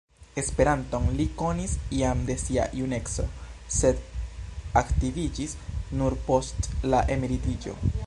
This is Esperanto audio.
Esperanton li konis jam de sia juneco, sed aktiviĝis nur post la emeritiĝo.